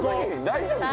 大丈夫？